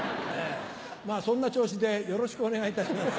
まぁそんな調子でよろしくお願いいたします。